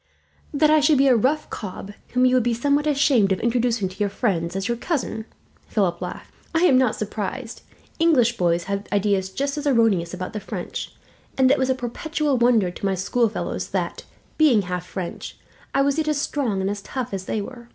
"That I should be a rough cub, whom you would be somewhat ashamed of introducing to your friends as your cousin," Philip laughed. "I am not surprised. English boys have ideas just as erroneous about the French, and it was a perpetual wonder to my schoolfellows that, being half French, I was yet as strong and as tough as they were.